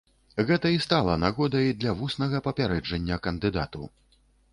Гэта і стала нагодай для вуснага папярэджання кандыдату.